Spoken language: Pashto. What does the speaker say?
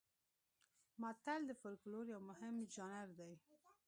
متل د فولکلور یو مهم ژانر دی